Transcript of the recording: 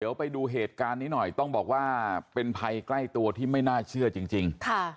เดี๋ยวไปดูเหตุการณ์นี้หน่อยต้องบอกว่าเป็นภัยใกล้ตัวที่ไม่น่าเชื่อจริง